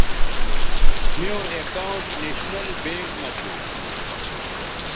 میوں اکاؤنٹ نیشنل بینک مہ تھو